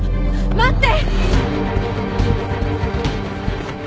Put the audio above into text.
待って！